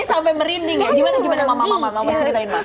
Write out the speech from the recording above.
ini sampai merinding ya gimana gimana mama mama mau ceritain pak